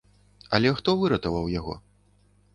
Але хто выратаваў яго?